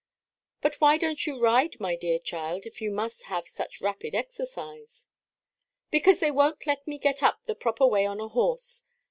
But why donʼt you ride, my dear child, if you must have such rapid exercise?" "Because they wonʼt let me get up the proper way on a horse.